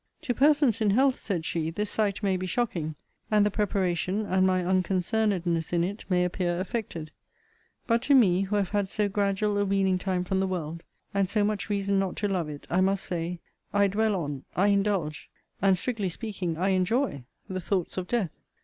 'To persons in health, said she, this sight may be shocking; and the preparation, and my unconcernedness in it, may appear affected: but to me, who have had so gradual a weaning time from the world, and so much reason not to love it, I must say, I dwell on, I indulge, (and, strictly speaking, I enjoy,) the thoughts of death.